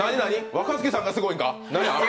若槻さんがすごいんか？